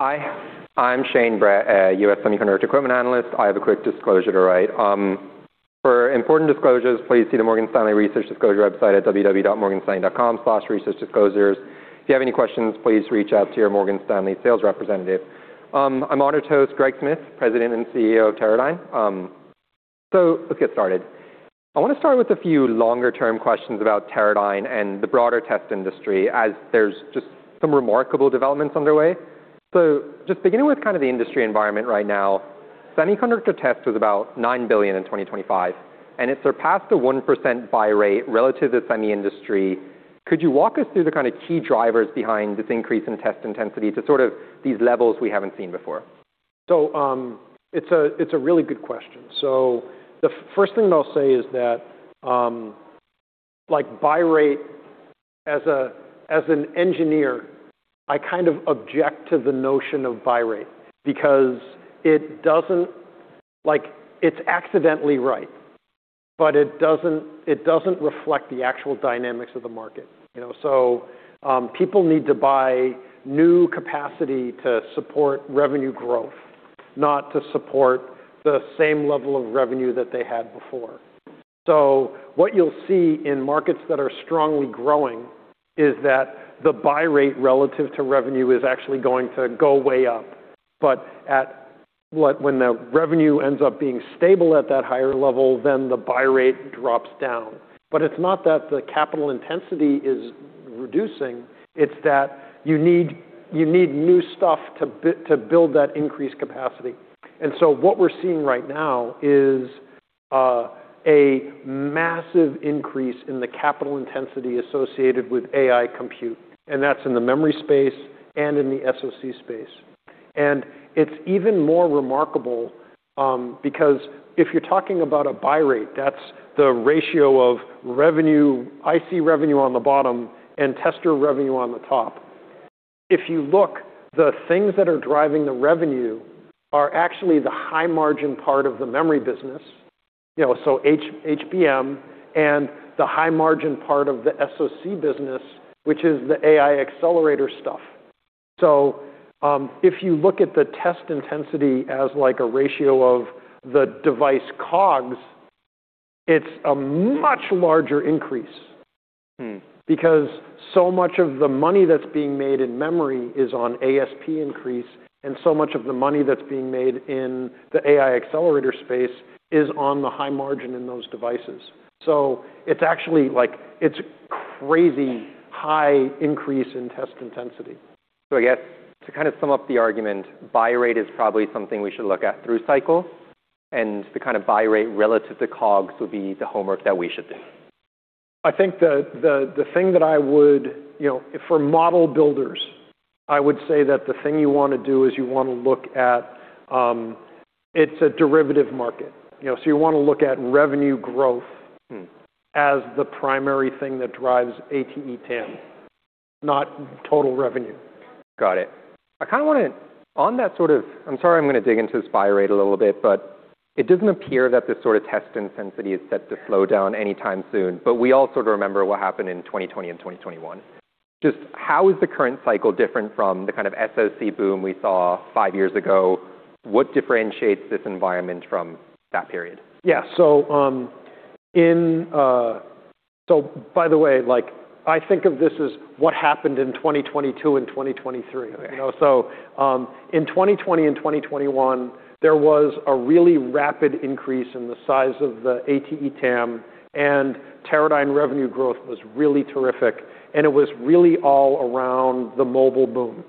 Hi, I'm Shane Brett, a U.S. semiconductor equipment analyst. I have a quick disclosure to write. For important disclosures, please see the Morgan Stanley Research Disclosure website at www.morganstanley.com/researchdisclosures. If you have any questions, please reach out to your Morgan Stanley sales representative. I'm honored to host Greg Smith, President and CEO of Teradyne. Let's get started. I want to start with a few longer-term questions about Teradyne and the broader test industry, as there's just some remarkable developments underway. Just beginning with kind of the industry environment right now, semiconductor test was about $9 billion in 2025, and it surpassed a 1% buy rate relative to semi industry. Could you walk us through the kind of key drivers behind this increase in test intensity to sort of these levels we haven't seen before? It's a, it's a really good question. The first thing that I'll say is that, like buy rate as an engineer, I kind of object to the notion of buy rate because it doesn't... Like, it's accidentally right, but it doesn't, it doesn't reflect the actual dynamics of the market, you know. People need to buy new capacity to support revenue growth, not to support the same level of revenue that they had before. What you'll see in markets that are strongly growing is that the buy rate relative to revenue is actually going to go way up. When the revenue ends up being stable at that higher level, then the buy rate drops down. It's not that the capital intensity is reducing. It's that you need, you need new stuff to build that increased capacity. What we're seeing right now is a massive increase in the capital intensity associated with AI compute, and that's in the memory space and in the SoC space. It's even more remarkable, because if you're talking about a buy rate, that's the ratio of revenue, IC revenue on the bottom and tester revenue on the top. If you look, the things that are driving the revenue are actually the high-margin part of the memory business, you know, so HBM, and the high-margin part of the SoC business, which is the AI accelerator stuff. If you look at the test intensity as like a ratio of the device COGS, it's a much larger increase. So much of the money that's being made in memory is on ASP increase, and so much of the money that's being made in the AI accelerator space is on the high margin in those devices. It's actually like, it's crazy high increase in test intensity. I guess to kind of sum up the argument, buy rate is probably something we should look at through cycle, and the kind of buy rate relative to COGS would be the homework that we should do. I think the thing that I would, you know, for model builders, I would say that the thing you wanna do is you wanna look at. It's a derivative market, you know. You wanna look at revenue growth as the primary thing that drives ATE TAM, not total revenue. Got it. I'm sorry, I'm gonna dig into this buy rate a little bit. It doesn't appear that this sort of test intensity is set to slow down anytime soon. We all sort of remember what happened in 2020 and 2021. Just how is the current cycle different from the kind of SoC boom we saw five years ago? What differentiates this environment from that period? Yeah. By the way, like I think of this as what happened in 2022 and 2023. Right. You know, in 2020 and 2021, there was a really rapid increase in the size of the ATE TAM, and Teradyne revenue growth was really terrific, and it was really all around the mobile boom.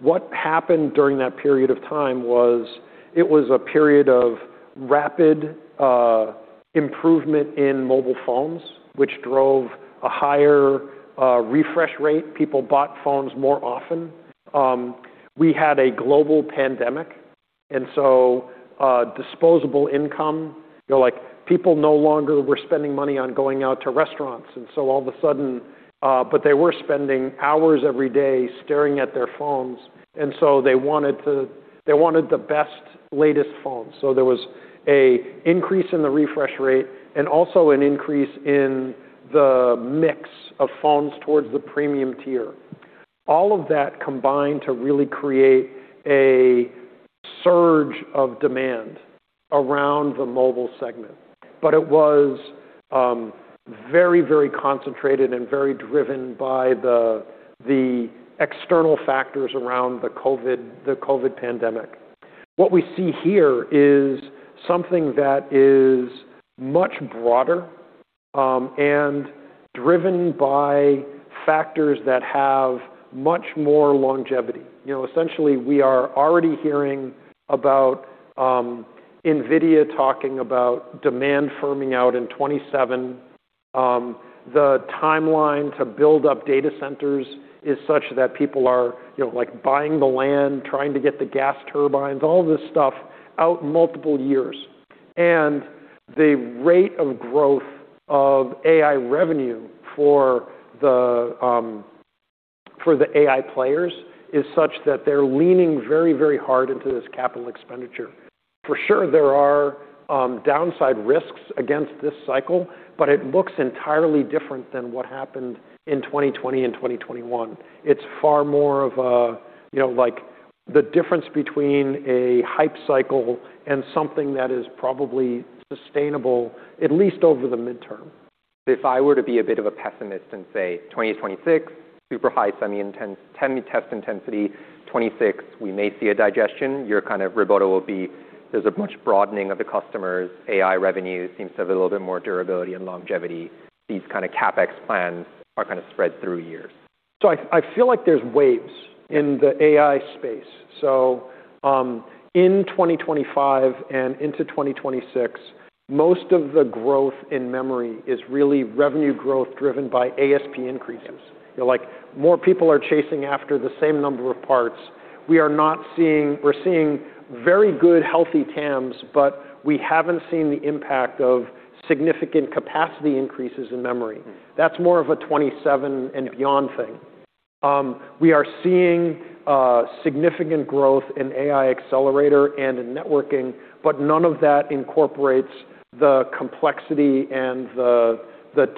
What happened during that period of time was, it was a period of rapid improvement in mobile phones, which drove a higher refresh rate. People bought phones more often. We had a global pandemic, disposable income, you know, like people no longer were spending money on going out to restaurants. All of a sudden, they were spending hours every day staring at their phones, they wanted the best, latest phones. There was a increase in the refresh rate and also an increase in the mix of phones towards the premium tier. All of that combined to really create a surge of demand around the mobile segment. It was very, very concentrated and very driven by the external factors around the COVID pandemic. What we see here is something that is much broader and driven by factors that have much more longevity. You know, essentially, we are already hearing about NVIDIA talking about demand firming out in 2027. The timeline to build up data centers is such that people are, you know, like buying the land, trying to get the gas turbines, all this stuff out multiple years. The rate of growth of AI revenue for the for the AI players is such that they're leaning very, very hard into this capital expenditure. For sure there are downside risks against this cycle, but it looks entirely different than what happened in 2020 and 2021. It's far more of a, you know, like the difference between a hype cycle and something that is probably sustainable, at least over the midterm. If I were to be a bit of a pessimist and say 2026, super high semi test intensity, 26, we may see a digestion. Your kind of rebuttal will be there's a much broadening of the customers, AI revenue seems to have a little bit more durability and longevity. These kind of CapEx plans are kind of spread through years. I feel like there's waves in the AI space. In 2025 and into 2026, most of the growth in memory is really revenue growth driven by ASP increases. You know, like more people are chasing after the same number of parts. We're seeing very good, healthy TAMs, but we haven't seen the impact of significant capacity increases in memory. That's more of a 2027 and beyond thing. We are seeing significant growth in AI accelerator and in networking, but none of that incorporates the complexity and the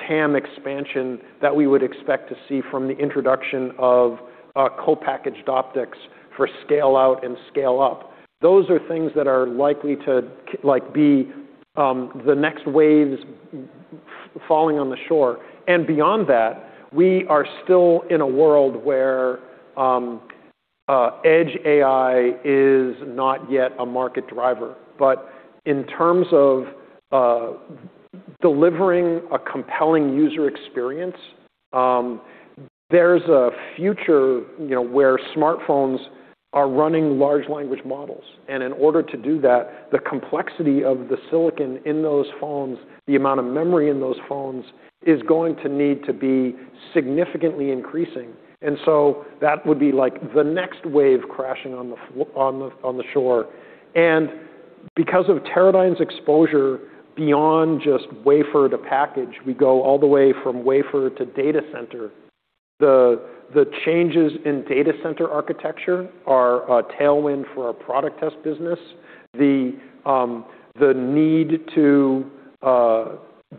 TAM expansion that we would expect to see from the introduction of co-packaged optics for scale out and scale up. Those are things that are likely to like be the next waves falling on the shore. Beyond that, we are still in a world where edge AI is not yet a market driver. In terms of delivering a compelling user experience, there's a future, you know, where smartphones are running large language models. In order to do that, the complexity of the silicon in those phones, the amount of memory in those phones, is going to need to be significantly increasing. So that would be like the next wave crashing on the shore. Because of Teradyne's exposure beyond just wafer to package, we go all the way from wafer to data center. The changes in data center architecture are a tailwind for our Product Test business. The need to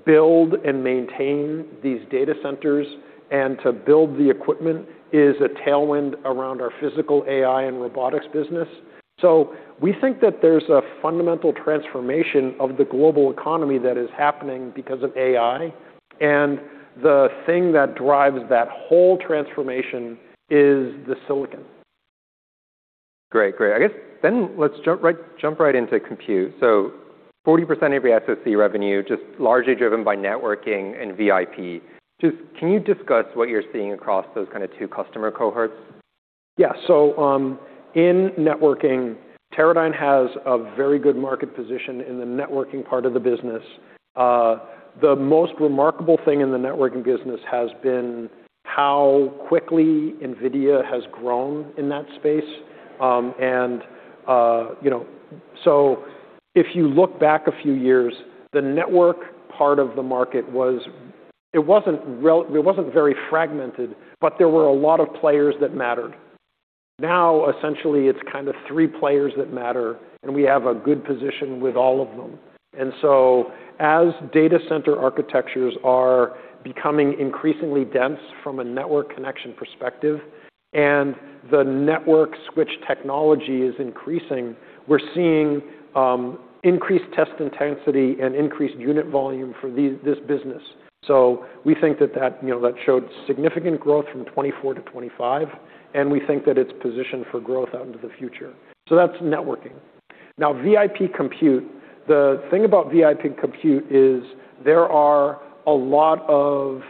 build and maintain these data centers and to build the equipment is a tailwind around our Physical AI and Robotics business. We think that there's a fundamental transformation of the global economy that is happening because of AI. The thing that drives that whole transformation is the silicon. Great. I guess let's jump right into compute. 40% of your SoC revenue, just largely driven by networking and VIP. Can you discuss what you're seeing across those kind of two customer cohorts? Yeah. In networking, Teradyne has a very good market position in the networking part of the business. The most remarkable thing in the networking business has been how quickly NVIDIA has grown in that space. You know, if you look back a few years, the network part of the market it wasn't very fragmented, but there were a lot of players that mattered. Now, essentially, it's kind of three players that matter, and we have a good position with all of them. As data center architectures are becoming increasingly dense from a network connection perspective, and the network switch technology is increasing, we're seeing increased test intensity and increased unit volume for this business. We think that that, you know, that showed significant growth from 2024 to 2025, and we think that it's positioned for growth out into the future. That's networking. Now, VIP compute, the thing about VIP compute is there are a lot of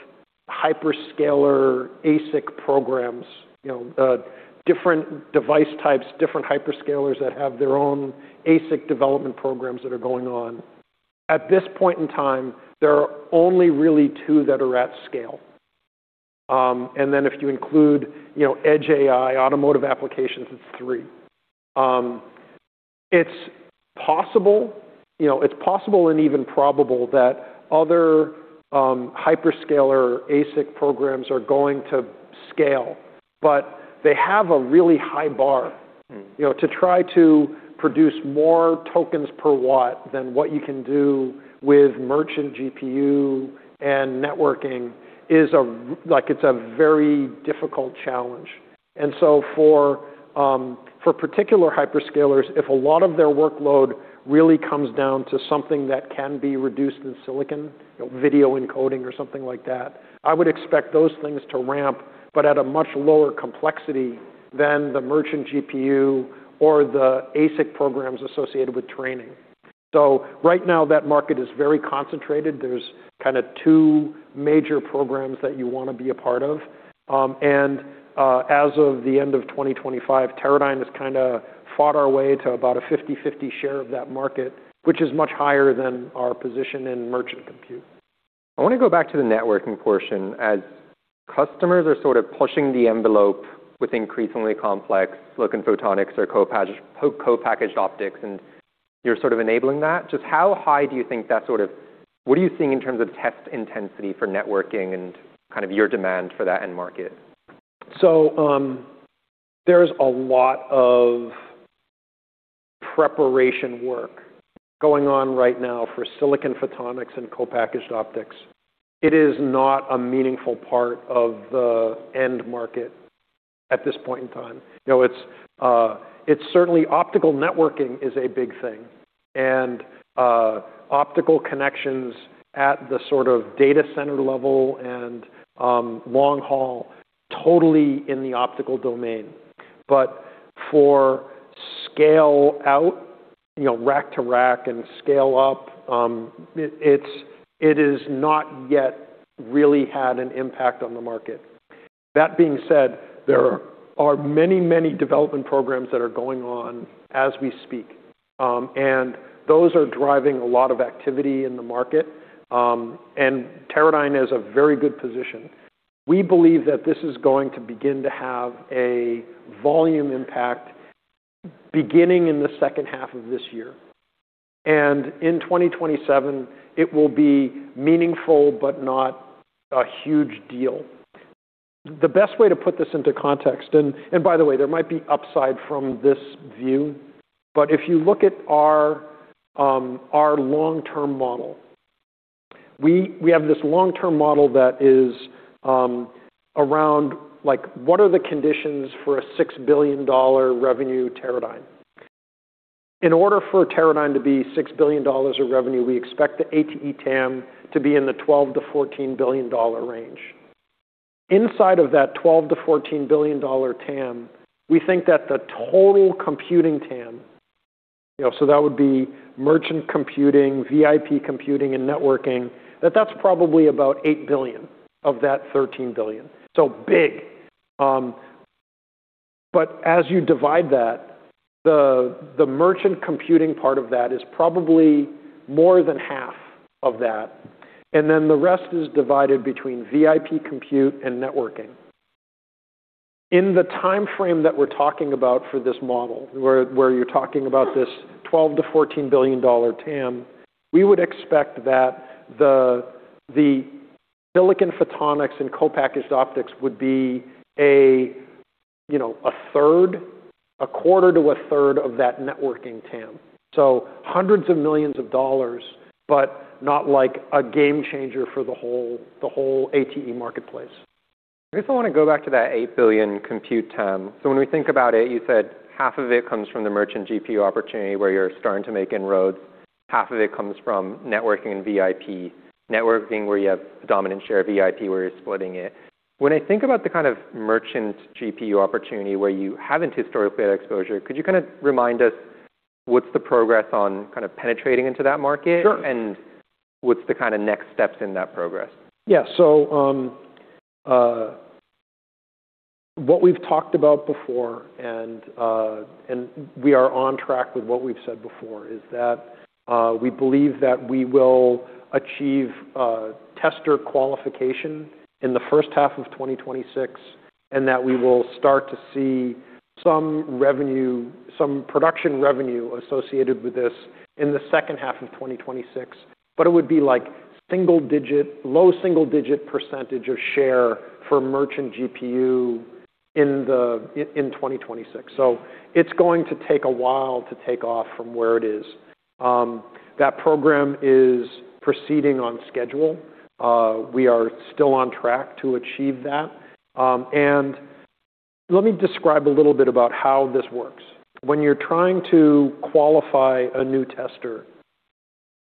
hyperscaler ASIC programs, you know, different device types, different hyperscalers that have their own ASIC development programs that are going on. At this point in time, there are only really two that are at scale. If you include, you know, edge AI, automotive applications, it's three. It's possible, you know, it's possible and even probable that other hyperscaler ASIC programs are going to scale, but they have a really high bar. You know, to try to produce more tokens per watt than what you can do with merchant GPU and networking is like, a very difficult challenge. For particular hyperscalers, if a lot of their workload really comes down to something that can be reduced in silicon, you know, video encoding or something like that, I would expect those things to ramp, but at a much lower complexity than the merchant GPU or the ASIC programs associated with training. Right now, that market is very concentrated. There's kind of two major programs that you wanna be a part of. As of the end of 2025, Teradyne has kinda fought our way to about a 50/50 share of that market, which is much higher than our position in merchant compute. I wanna go back to the networking portion. As customers are sort of pushing the envelope with increasingly complex silicon photonics or co-packaged optics, and you're sort of enabling that, just how high do you think what are you seeing in terms of test intensity for networking and kind of your demand for that end market? There's a lot of preparation work going on right now for silicon photonics and co-packaged optics. It is not a meaningful part of the end market at this point in time. You know, it's certainly optical networking is a big thing, and optical connections at the sort of data center level and long haul totally in the optical domain. For scale out, you know, rack to rack and scale up, it is not yet really had an impact on the market. That being said, there are many, many development programs that are going on as we speak, those are driving a lot of activity in the market, Teradyne is a very good position. We believe that this is going to begin to have a volume impact beginning in the second half of this year. In 2027, it will be meaningful but not a huge deal. The best way to put this into context and by the way, there might be upside from this view, but if you look at our long-term model, we have this long-term model that is around like what are the conditions for a $6 billion revenue Teradyne. In order for Teradyne to be $6 billion of revenue, we expect the ATE TAM to be in the $12 billion-$14 billion range. Inside of that $12 billion-$14 billion TAM, we think that the total computing TAM, you know, so that would be merchant computing, VIP computing, and networking, that's probably about $8 billion of that $13 billion, so big. As you divide that, the merchant computing part of that is probably more than half of that, and then the rest is divided between VIP compute and networking. In the timeframe that we're talking about for this model, where you're talking about this $12 billion-$14 billion TAM, we would expect that the silicon photonics and co-packaged optics would be a, you know, a third, a quarter to a third of that networking TAM. Hundreds of millions of dollars, but not like a game changer for the whole ATE marketplace. I guess I want to go back to that $8 billion compute TAM. When we think about it, you said half of it comes from the merchant GPU opportunity where you're starting to make inroads. Half of it comes from networking and VIP. Networking where you have dominant share, VIP where you're splitting it. When I think about the kind of merchant GPU opportunity where you haven't historically had exposure, could you kind of remind us what's the progress on kind of penetrating into that market? Sure. What's the kind of next steps in that progress? Yeah. What we've talked about before and we are on track with what we've said before is that we believe that we will achieve tester qualification in the first half of 2026, and that we will start to see some revenue, some production revenue associated with this in the second half of 2026. It would be like single-digit, low single-digit % of share for merchant GPU in 2026. It's going to take a while to take off from where it is. That program is proceeding on schedule. We are still on track to achieve that. Let me describe a little bit about how this works. When you're trying to qualify a new tester,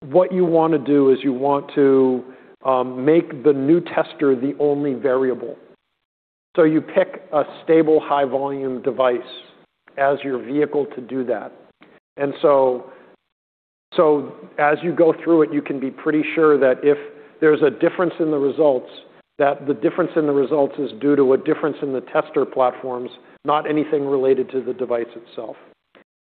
what you wanna do is you want to make the new tester the only variable. You pick a stable high-volume device as your vehicle to do that. As you go through it, you can be pretty sure that if there's a difference in the results, that the difference in the results is due to a difference in the tester platforms, not anything related to the device itself.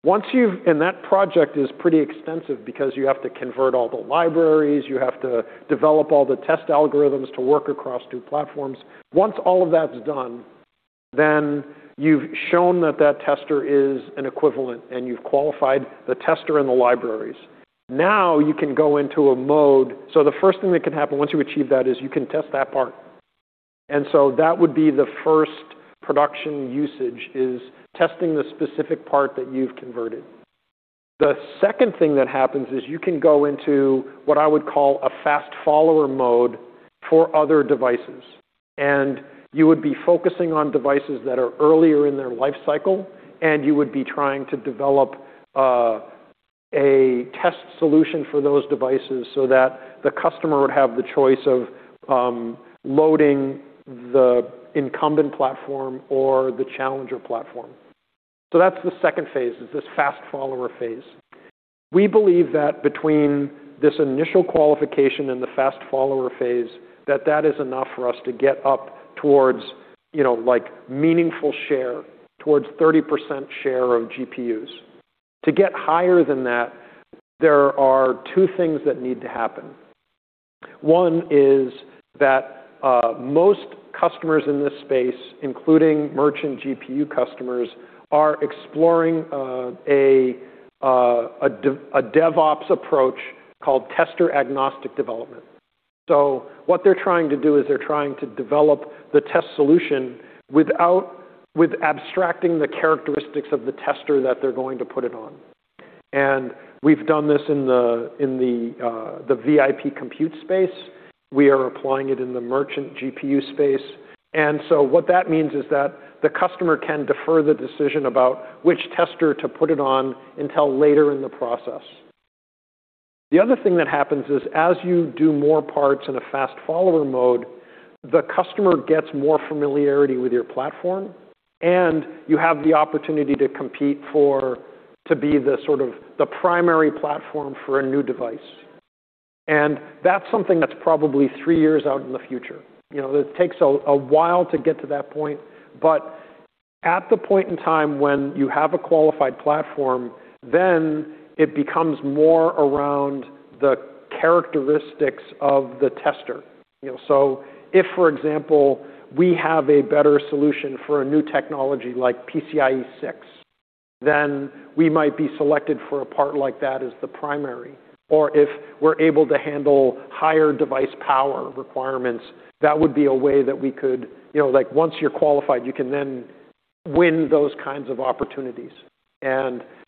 That project is pretty extensive because you have to convert all the libraries, you have to develop all the test algorithms to work across two platforms. Once all of that's done, you've shown that that tester is an equivalent, and you've qualified the tester and the libraries. Now you can go into a mode. The first thing that can happen once you achieve that is you can test that part. That would be the first production usage, is testing the specific part that you've converted. The second thing that happens is you can go into what I would call a fast follower mode for other devices. You would be focusing on devices that are earlier in their life cycle. You would be trying to develop a test solution for those devices so that the customer would have the choice of loading the incumbent platform or the challenger platform. That's the second phase, is this fast follower phase. We believe that between this initial qualification and the fast follower phase, that that is enough for us to get up towards, you know, like meaningful share, towards 30% share of GPUs. To get higher than that, there are two things that need to happen. One is that, most customers in this space, including merchant GPU customers, are exploring a DevOps approach called tester agnostic development. What they're trying to do is they're trying to develop the test solution without abstracting the characteristics of the tester that they're going to put it on. We've done this in the VIP compute space. We are applying it in the merchant GPU space. What that means is that the customer can defer the decision about which tester to put it on until later in the process. The other thing that happens is as you do more parts in a fast follower mode, the customer gets more familiarity with your platform, and you have the opportunity to compete to be the sort of the primary platform for a new device. That's something that's probably 3 years out in the future. You know, it takes a while to get to that point. At the point in time when you have a qualified platform, then it becomes more around the characteristics of the tester, you know. If, for example, we have a better solution for a new technology like PCIe 6, then we might be selected for a part like that as the primary. If we're able to handle higher device power requirements, that would be a way that we could. You know, like, once you're qualified, you can then win those kinds of opportunities.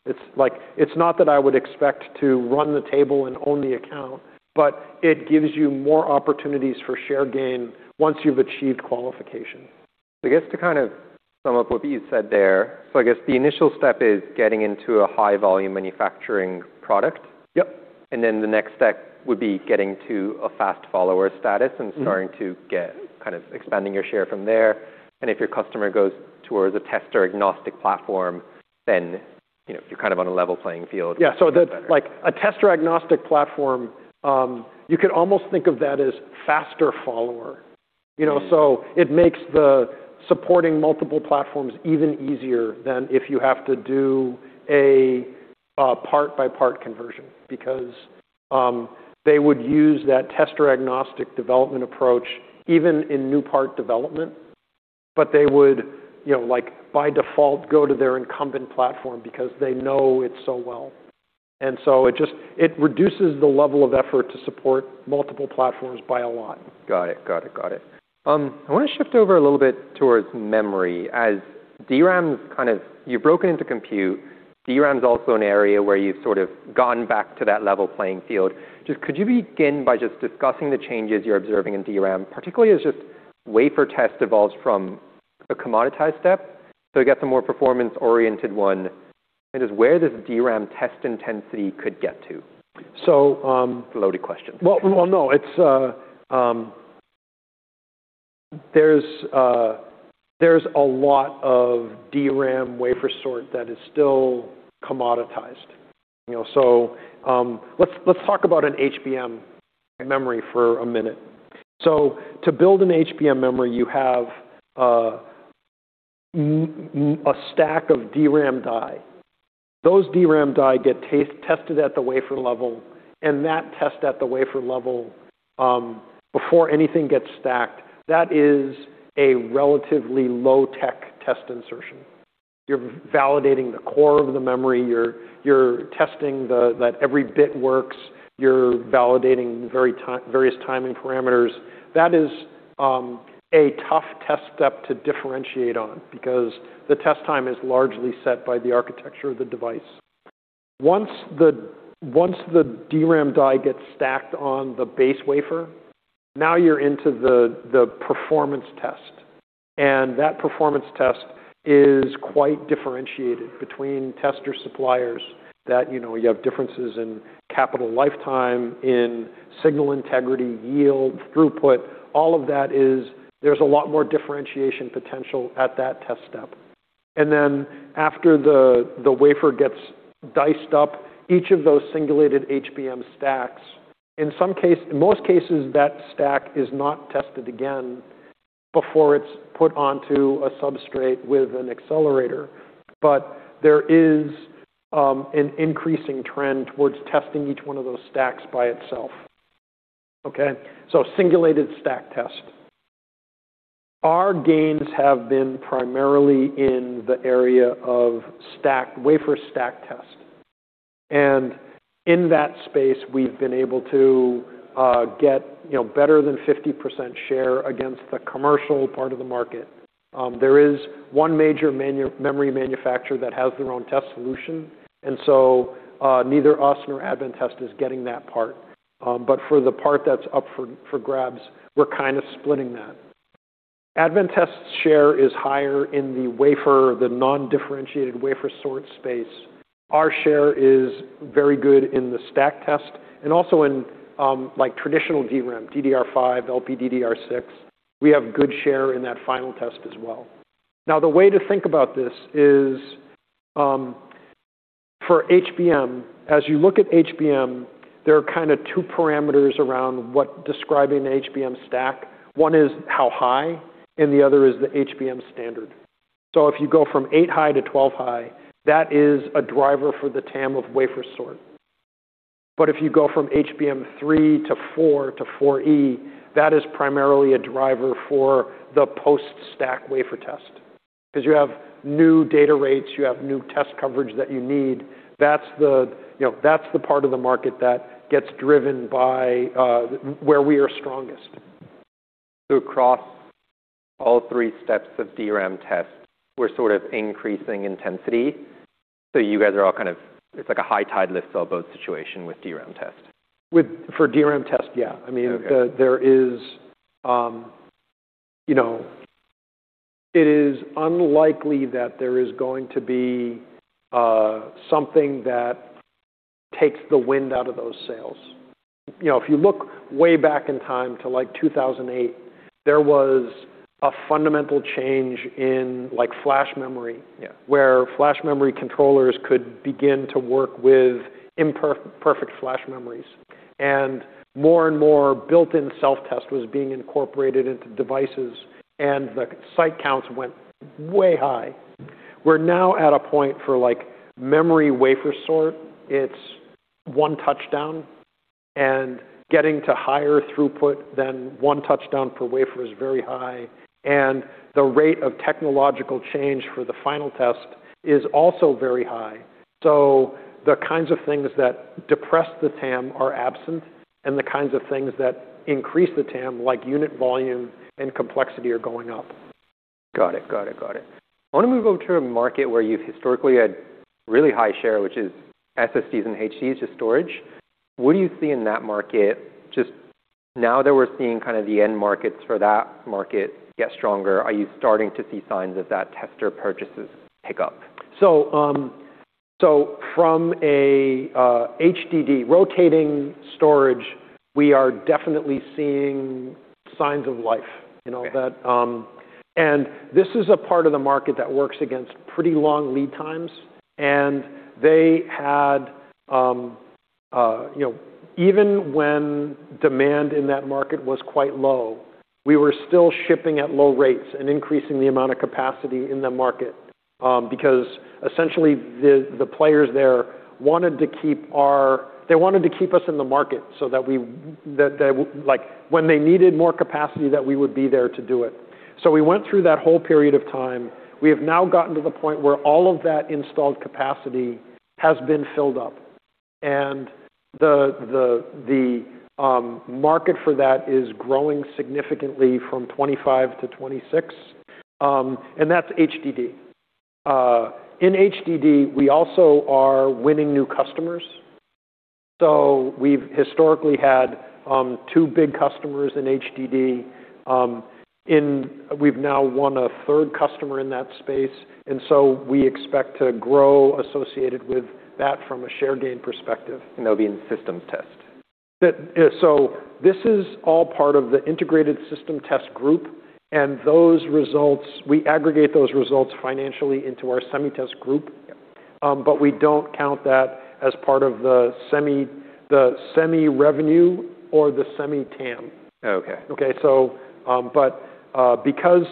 It's like, it's not that I would expect to run the table and own the account, but it gives you more opportunities for share gain once you've achieved qualification. I guess to kind of sum up what you said there, so I guess the initial step is getting into a high volume manufacturing product. Yep. The next step would be getting to a fast follower status and starting to kind of expanding your share from there. If your customer goes towards a tester agnostic platform, then, you know, you're kind of on a level playing field. Yeah. That like a tester agnostic platform, you could almost think of that as faster follower, you know. It makes the supporting multiple platforms even easier than if you have to do a part-by-part conversion because they would use that tester agnostic development approach even in new part development. They would, you know, like by default, go to their incumbent platform because they know it so well. It reduces the level of effort to support multiple platforms by a lot. Got it. Got it. Got it. I want to shift over a little bit towards memory. You've broken into compute. DRAM's also an area where you've sort of gone back to that level playing field. Just could you begin by just discussing the changes you're observing in DRAM, particularly as just wafer test evolves from a commoditized step to, I guess, a more performance-oriented one, and just where this DRAM test intensity could get to? So, um- Loaded question. Well, well, no, there's a lot of DRAM wafer sort that is still commoditized, you know. Let's talk about an HBM memory for a minute. To build an HBM memory, you have a stack of DRAM die. Those DRAM die get tested at the wafer level, and that test at the wafer level, before anything gets stacked, that is a relatively low-tech test insertion. You're validating the core of the memory. You're testing that every bit works. You're validating very various timing parameters. That is a tough test step to differentiate on because the test time is largely set by the architecture of the device. Once the DRAM die gets stacked on the base wafer, now you're into the performance test. That performance test is quite differentiated between tester suppliers that, you know, you have differences in capital lifetime, in signal integrity, yield, throughput, all of that. There's a lot more differentiation potential at that test step. After the wafer gets diced up, each of those singulated HBM stacks, in most cases, that stack is not tested again before it's put onto a substrate with an accelerator. There is an increasing trend towards testing each one of those stacks by itself. Okay? Singulated stack test. Our gains have been primarily in the area of wafer stack test. In that space, we've been able to, you know, better than 50% share against the commercial part of the market. There is one major memory manufacturer that has their own test solution, neither us nor Advantest is getting that part. For the part that's up for grabs, we're kind of splitting that. Advantest's share is higher in the non-differentiated wafer sort space. Our share is very good in the stack test and also in, like traditional DRAM, DDR5, LPDDR6. We have good share in that final test as well. The way to think about this is, for HBM, as you look at HBM, there are kind of two parameters around what describing the HBM stack. One is how high, and the other is the HBM standard. If you go from 8 high to 12 high, that is a driver for the TAM of wafer sort. If you go from HBM3 to HBM4 to HBM4E, that is primarily a driver for the post-stack wafer test. 'Cause you have new data rates, you have new test coverage that you need. That's the, you know, that's the part of the market that gets driven by where we are strongest. Across all three steps of DRAM test, we're sort of increasing intensity. You guys are all kind of, it's like a high tide lifts all boats situation with DRAM test. For DRAM test, yeah. Okay. I mean, there is, you know, it is unlikely that there is going to be something that takes the wind out of those sails. You know, if you look way back in time to, like, 2008, there was a fundamental change in, like, flash memory... Yeah... where flash memory controllers could begin to work with perfect flash memories. More and more built-in self-test was being incorporated into devices, and the site counts went way high. We're now at a point for, like, memory wafer sort, it's one touchdown, and getting to higher throughput than one touchdown per wafer is very high. The rate of technological change for the final test is also very high. The kinds of things that depress the TAM are absent, and the kinds of things that increase the TAM, like unit volume and complexity, are going up. Got it. I wanna move over to a market where you've historically had really high share, which is SSDs and HDDs, just storage. What do you see in that market just now that we're seeing kind of the end markets for that market get stronger, are you starting to see signs of that tester purchases pick up? from a HDD rotating storage, we are definitely seeing signs of life. Okay. You know, that. This is a part of the market that works against pretty long lead times, and they had, you know, even when demand in that market was quite low, we were still shipping at low rates and increasing the amount of capacity in the market, because essentially the players there wanted to keep us in the market so that we, like, when they needed more capacity, that we would be there to do it. We went through that whole period of time. We have now gotten to the point where all of that installed capacity has been filled up, and the market for that is growing significantly from 2025 to 2026, and that's HDD. In HDD, we also are winning new customers, so we've historically had 2 big customers in HDD, we've now won a 3rd customer in that space, and so we expect to grow associated with that from a share gain perspective. That'll be in systems test. That, yeah, this is all part of the Integrated System Test group, and those results, we aggregate those results financially into our Semi Test group. Yeah. We don't count that as part of the Semi revenue or the Semi TAM. Okay. Okay? Because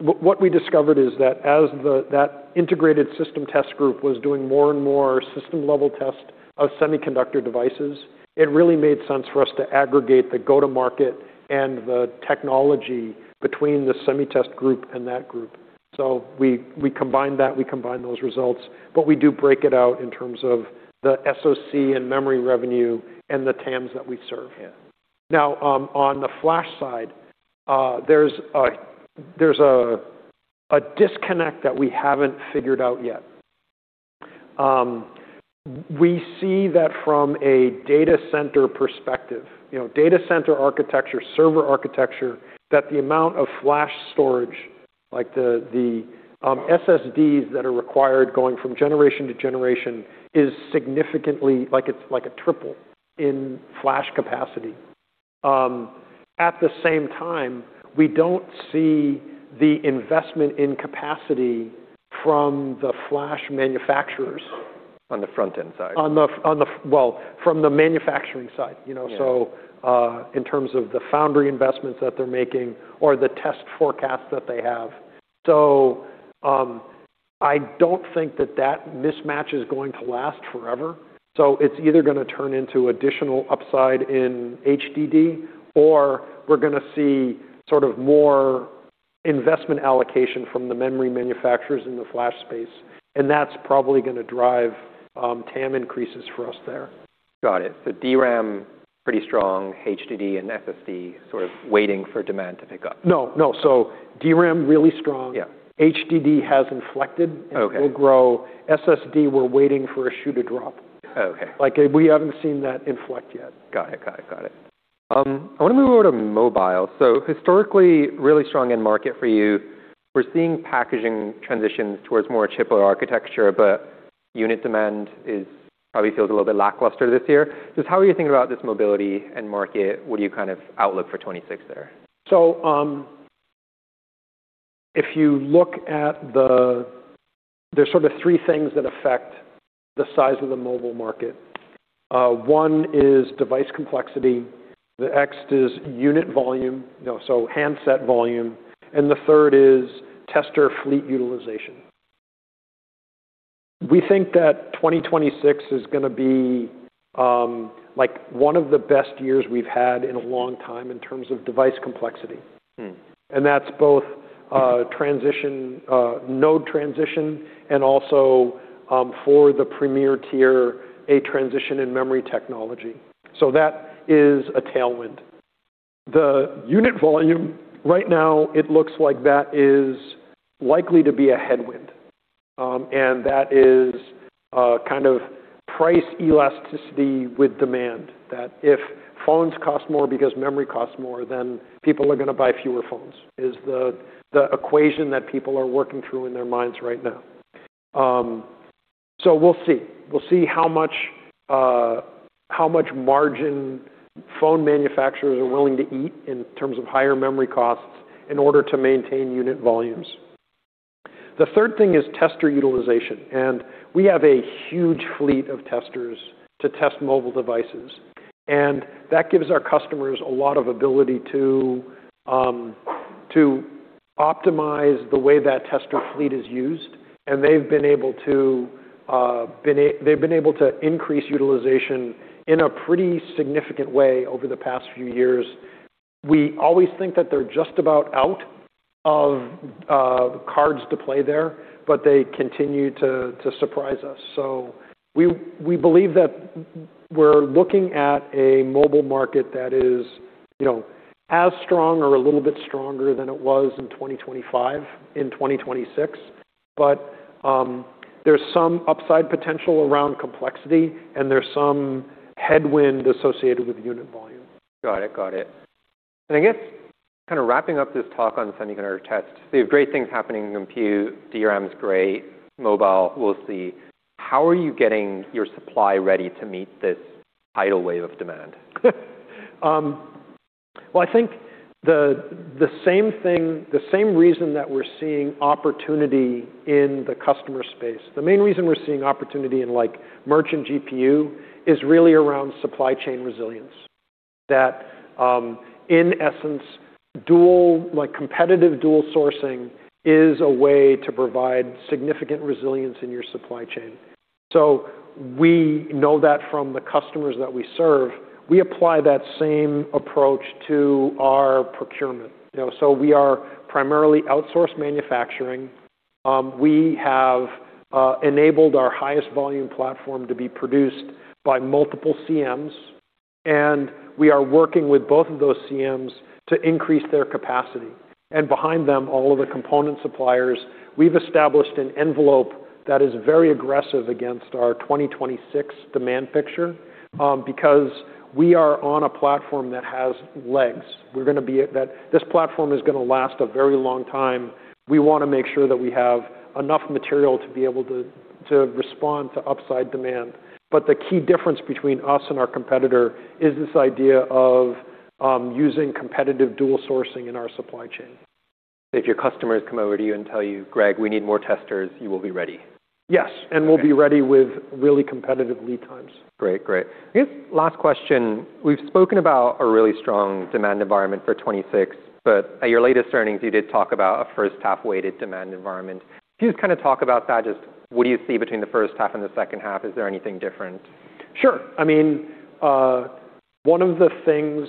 what we discovered is that as the Integrated System Test group was doing more and more system level test of semiconductor devices, it really made sense for us to aggregate the go-to-market and the technology between the Semi Test group and that group. We combined that, we combined those results, but we do break it out in terms of the SoC and memory revenue and the TAMs that we serve. Yeah. On the flash side, there's a disconnect that we haven't figured out yet. We see that from a data center perspective, you know, data center architecture, server architecture, that the amount of flash storage, like the SSDs that are required going from generation to generation is significantly, like, it's like a triple in flash capacity. At the same time, we don't see the investment in capacity from the flash manufacturers. On the front-end side. Well, from the manufacturing side, you know. Yeah... in terms of the foundry investments that they're making or the test forecast that they have. I don't think that that mismatch is going to last forever. It's either gonna turn into additional upside in HDD or we're gonna see sort of more investment allocation from the memory manufacturers in the flash space, and that's probably gonna drive, TAM increases for us there. Got it. DRAM, pretty strong. HDD and SSD sort of waiting for demand to pick up. No, no. DRAM, really strong. Yeah. HDD has inflected. Okay and will grow. SSD, we're waiting for a shoe to drop. Okay. Like, we haven't seen that inflect yet. Got it. Got it. Got it. I wanna move on to mobile. Historically, really strong end market for you. We're seeing packaging transitions towards more chiplet architecture, but unit demand probably feels a little bit lackluster this year. Just how are you thinking about this mobility end market? What do you kind of outlook for 2026 there? If you look at the there's sort of three things that affect the size of the mobile market. One is device complexity. The next is unit volume, you know, so handset volume. The third is tester fleet utilization. We think that 2026 is gonna be like one of the best years we've had in a long time in terms of device complexity. That's both transition, node transition and also, for the premier tier, a transition in memory technology. That is a tailwind. The unit volume right now, it looks like that is likely to be a headwind, and that is kind of price elasticity with demand, that if phones cost more because memory costs more, then people are gonna buy fewer phones is the equation that people are working through in their minds right now. We'll see. We'll see how much margin phone manufacturers are willing to eat in terms of higher memory costs in order to maintain unit volumes. The third thing is tester utilization. We have a huge fleet of testers to test mobile devices, and that gives our customers a lot of ability to optimize the way that tester fleet is used. They've been able to increase utilization in a pretty significant way over the past few years. We always think that they're just about out of cards to play there, but they continue to surprise us. We, we believe that we're looking at a mobile market that is, you know, as strong or a little bit stronger than it was in 2025, in 2026. There's some upside potential around complexity, and there's some headwind associated with unit volume. Got it. Got it. I guess kinda wrapping up this talk on semiconductor tests, so you have great things happening in compute, DRAM's great, mobile, we'll see. How are you getting your supply ready to meet this tidal wave of demand? Well, I think the same thing, the same reason that we're seeing opportunity in the customer space, the main reason we're seeing opportunity in, like, merchant GPU is really around supply chain resilience. That, in essence, dual, competitive dual sourcing is a way to provide significant resilience in your supply chain. We know that from the customers that we serve, we apply that same approach to our procurement. You know, we are primarily outsourced manufacturing. We have enabled our highest volume platform to be produced by multiple CMs, and we are working with both of those CMs to increase their capacity. Behind them, all of the component suppliers, we've established an envelope that is very aggressive against our 2026 demand fixture, because we are on a platform that has legs. We're gonna be. This platform is gonna last a very long time. We wanna make sure that we have enough material to be able to respond to upside demand. The key difference between us and our competitor is this idea of using competitive dual sourcing in our supply chain. If your customers come over to you and tell you, "Greg, we need more testers," you will be ready? Yes. Okay. We'll be ready with really competitive lead times. Great. Great. I guess last question. We've spoken about a really strong demand environment for 2026, but at your latest earnings, you did talk about a first half-weighted demand environment. Can you just kind of talk about that? Just what do you see between the first half and the second half? Is there anything different? Sure. I mean, one of the things,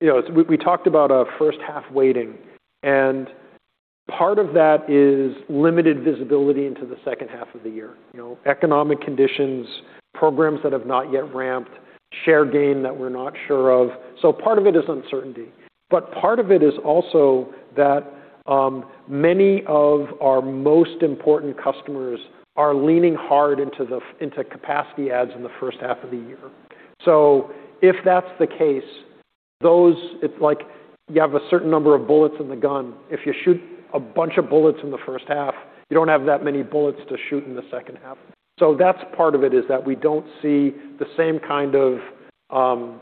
you know, we talked about a first half weighting. Part of that is limited visibility into the second half of the year. You know, economic conditions, programs that have not yet ramped, share gain that we're not sure of. Part of it is uncertainty. Part of it is also that many of our most important customers are leaning hard into the, into capacity adds in the first half of the year. If that's the case, it's like you have a certain number of bullets in the gun. If you shoot a bunch of bullets in the first half, you don't have that many bullets to shoot in the second half. That's part of it, is that we don't see the same kind of,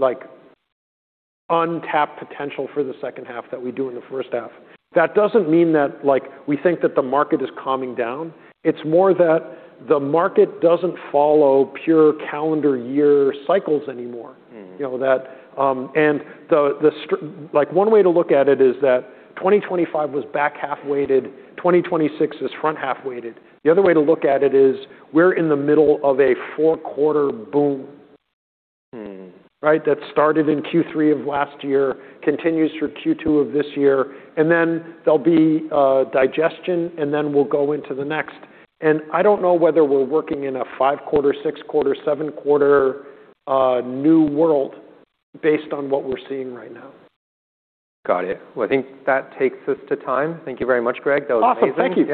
like untapped potential for the second half that we do in the first half. That doesn't mean that, like, we think that the market is calming down. It's more that the market doesn't follow pure calendar year cycles anymore. You know, that, Like one way to look at it is that 2025 was back half-weighted, 2026 is front half-weighted. The other way to look at it is we're in the middle of a 4-quarter boom. Right? That started in Q3 of last year, continues through Q2 of this year, then there'll be digestion, then we'll go into the next. I don't know whether we're working in a five-quarter, six-quarter, seven-quarter new world based on what we're seeing right now. Got it. Well, I think that takes us to time. Thank you very much, Greg. That was amazing.